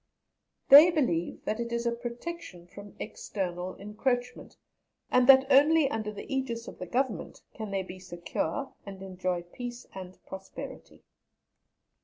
They believe that it is a protection from external encroachment, and that only under the ægis of the Government can they be secure and enjoy peace and prosperity.